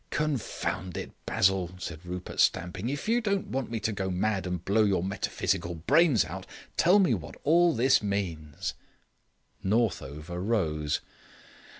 "Confound it, Basil," said Rupert, stamping. "If you don't want me to go mad and blow your metaphysical brains out, tell me what all this means." Northover rose.